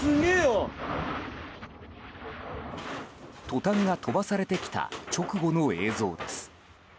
トタンが飛ばされてきた直後の映像です。